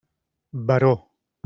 Baró.